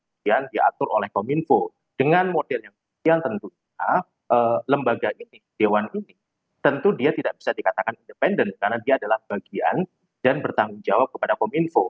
kemudian diatur oleh kominfo dengan model yang tentunya lembaga ini dewan ini tentu dia tidak bisa dikatakan independen karena dia adalah bagian dan bertanggung jawab kepada kominfo